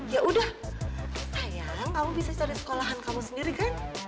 ya udah sayang kamu bisa cari sekolahan kamu sendiri kan